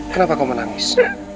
kenapa kau menangis